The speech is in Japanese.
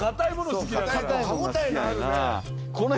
歯応えのあるね。